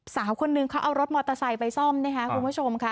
สาวคนนึงเขาเอารถมอเตอร์ไซค์ไปซ่อมนะคะคุณผู้ชมค่ะ